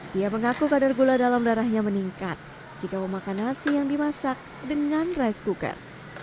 dia mengaku kadar gula dalam darahnya meningkat jika memakan nasi yang dimasak dengan rice cooker